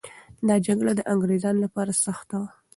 دا جګړه د انګریزانو لپاره سخته وه.